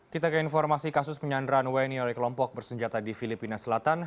kita ke informasi kasus penyanderaan wni oleh kelompok bersenjata di filipina selatan